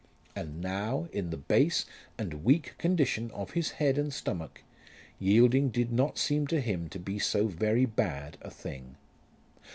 And now, in the base and weak condition of his head and stomach, yielding did not seem to him to be so very bad a thing.